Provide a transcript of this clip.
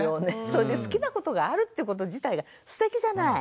それで好きなことがあるってこと自体がすてきじゃない？